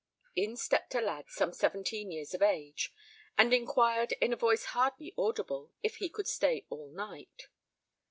In stepped a lad some seventeen years of age, and inquired in a voice hardly audible if he could stay all night.